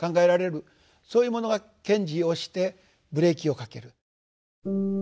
そういうものが賢治をしてブレーキをかける。